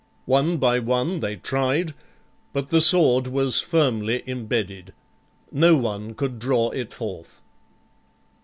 One by one they tried, but the sword was firmly imbedded. No one could draw it forth.